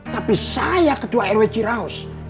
tapi saya ketua rw ciraus